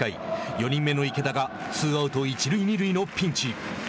４人目の池田がツーアウト、一塁二塁のピンチ。